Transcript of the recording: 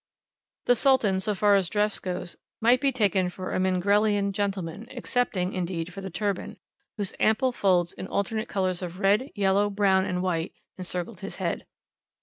The Sultan, so far as dress goes, might be taken for a Mingrelian gentleman, excepting, indeed, for the turban, whose ample folds in alternate colours of red, yellow, brown, and white, encircled his head.